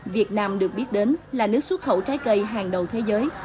việt nam được biết đến là nước xuất khẩu trái cây hàng đầu thế giới